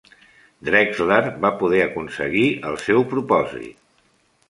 Drexler va poder aconseguir el seu propòsit.